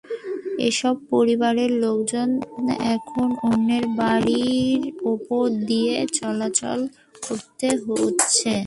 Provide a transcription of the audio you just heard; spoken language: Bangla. এসব পরিবারের লোকজনকে এখন অন্যের বাড়ির ওপর দিয়ে চলাচল করতে হচ্ছে।